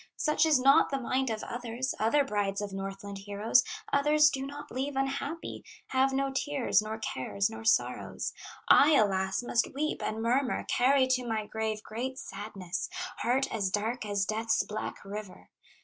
"Such is not the mind of others, Other brides of Northland heroes; Others do not leave unhappy, Have no tears, nor cares, nor sorrows, I alas! must weep and murmur, Carry to my grave great sadness, Heart as dark as Death's black river.